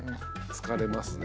疲れますね。